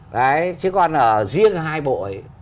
đấy chứ còn riêng hai bộ ấy